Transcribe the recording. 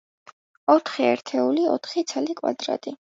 ოთხი ერთეული; ოთხი ცალი კვადრატი.